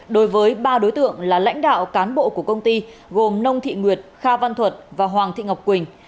đối với ba đối tượng là lãnh đạo cán bộ của công ty gồm nông thị nguyệt kha văn thuật và hoàng thị ngọc quỳnh